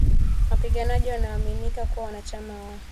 wapiganaji wanaoaminika kuwa wanachama wa